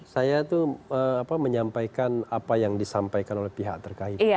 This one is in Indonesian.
saya itu menyampaikan apa yang disampaikan oleh pihak terkait